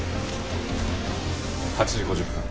８時５０分。